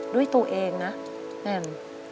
ด้วยตัวเองนะแอม